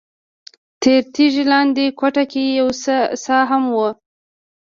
تر تیږې لاندې کوټه کې یوه څاه هم ده.